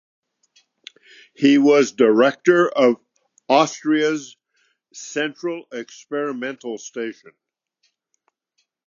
He was director of Austria's Central Experimental Station.